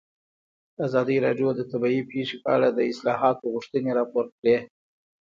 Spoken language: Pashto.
ازادي راډیو د طبیعي پېښې په اړه د اصلاحاتو غوښتنې راپور کړې.